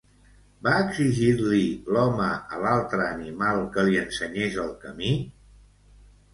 Va exigir-li l'home a l'altre animal que li ensenyés el camí?